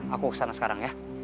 aku kesana sekarang ya